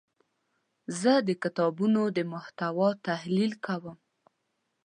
زه د کتابونو د محتوا تحلیل کوم.